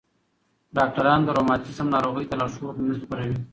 ډاکټران د روماتیزم ناروغۍ ته لارښود نه خپروي.